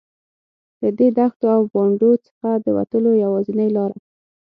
له دې دښتو او بانډو څخه د وتلو یوازینۍ لاره.